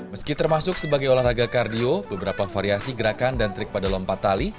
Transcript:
meski termasuk sebagai olahraga kardio beberapa variasi gerakan dan trik pada lompat tali